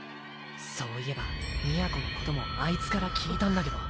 そういえば美弥子のこともあいつから聞いたんだけど。